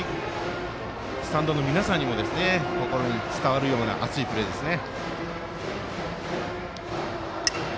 スタンドの皆さんの心に伝わるような熱いプレーですね。